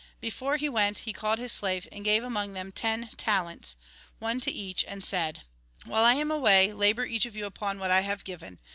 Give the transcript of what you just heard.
Before he went, he called his slaves, and gave among them ten talents, one to each, and said :' While I am away, labour each of you upon what I have given.'